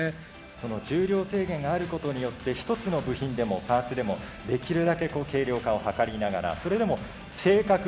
その重量制限があることによって一つの部品でもパーツでもできるだけ軽量化をはかりながらそれでも正確にかつ耐久性をと。